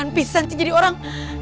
masaran pisang sih jadi orang